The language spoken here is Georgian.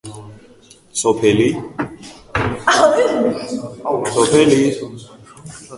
სოფელი ციხისუბანი ექვემდებარება საქართველოს საპატრიარქოს ახალციხისა და ტაო-კლარჯეთის ეპარქიას.